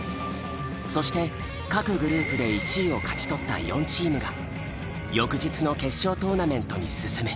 そして各グループで１位を勝ち取った４チームが翌日の決勝トーナメントに進む。